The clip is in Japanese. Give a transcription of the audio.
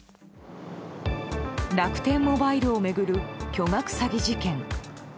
楽天モバイルを巡る巨額詐欺事件。